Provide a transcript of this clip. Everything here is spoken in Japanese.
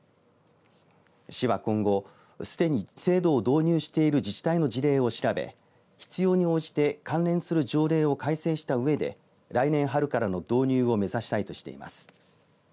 市は今後すでに制度を導入している自治体の事例を調べ必要に応じて関連する条例を改正したうえで来年春からの導入を目指したいとしています。